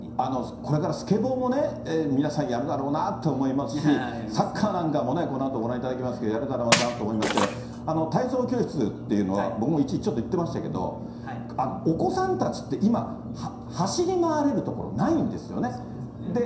これからスケボーもね、皆さんやるだろうなと思いますし、サッカーなんかもね、このあとご覧いただきますけど、やるだろうなと思いますけど、体操教室っていうのは、僕も一時ちょっと行ってましたけど、お子さんたちって今、走り回れる所ないんですよね。